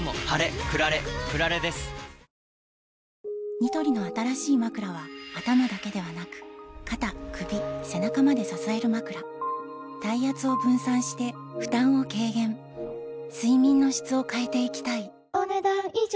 ニトリの新しいまくらは頭だけではなく肩・首・背中まで支えるまくら体圧を分散して負担を軽減睡眠の質を変えていきたいお、ねだん以上。